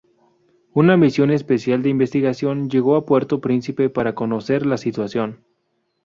Una misión especial de investigación llegó a Puerto Príncipe para conocer la situación.